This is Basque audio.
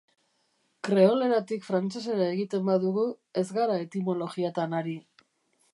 Kreoleratik frantsesera egiten badugu, ez gara etimologiatan ari.